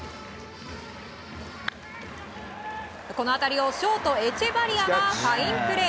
この当たりをショートエチェバリアがファインプレー。